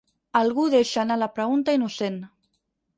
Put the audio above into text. Algú deixa anar la pregunta innocent.